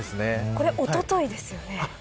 これ、おとといですよね。